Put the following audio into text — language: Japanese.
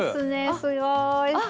すごい！